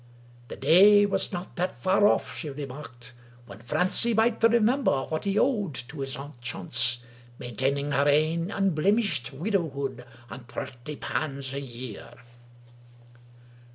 " The day was not that far off," she remarked, " when Francie might remember what he owed to his aunt Chance, maintaining her ain unbleemished widowhood on thratty punds a year."